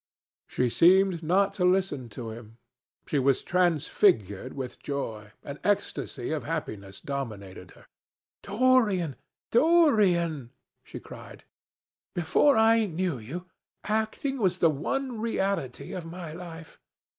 She seemed not to listen to him. She was transfigured with joy. An ecstasy of happiness dominated her. "Dorian, Dorian," she cried, "before I knew you, acting was the one reality of my life.